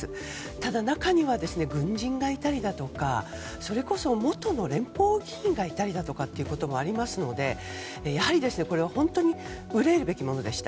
ただ、中には軍人がいたりだとかそれこそ元の連邦議員がいたりだとかということもありますので、これは本当に憂えるべきものでした。